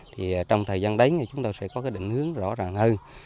thì trong thời gian đấy chúng ta sẽ có cái định hướng rõ ràng hơn